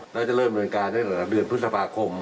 เราจะเริ่มรวมการตั้งแต่หลังเดือนพฤษภาคม